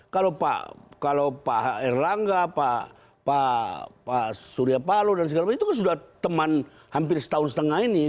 kalau pak herlangga pak suryapalo dan segala macam itu sudah teman hampir setahun setengah ini